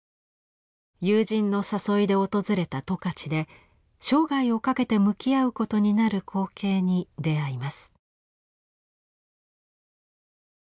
友人の誘いで訪れた十勝で生涯をかけて向き合うことになる光景に出会います。